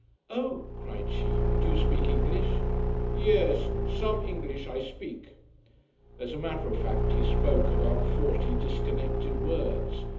"Oh," cried she. "Do you speak English?" "Ye es. Some English I speak." As a matter of fact he spoke about forty disconnected words.